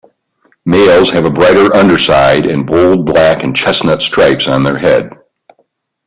Males have a brighter underside and bold black and chestnut stripes on their head.